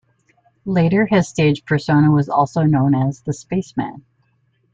Later his stage persona was also known as "The Spaceman".